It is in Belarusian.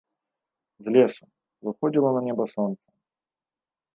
З лесу выходзіла на неба сонца.